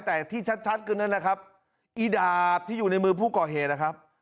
แต่ที่ชัดคือนั่นแหละครับอีดาบที่อยู่ในมือผู้ก่อเหตุนะครับ